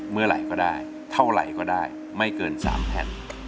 เมื่อไหร่ก็ได้เท่าไหร่ก็ได้ไม่เกิน๓แผ่น